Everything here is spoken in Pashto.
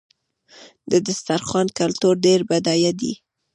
د دسترخوان کلتور ډېر بډایه دی.